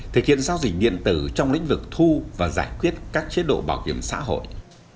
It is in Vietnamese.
thực hiện giao dịch điện tử trong lĩnh vực thu và giải quyết các chế độ bảo hiểm xã hội